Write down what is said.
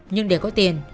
nhưng để có tiền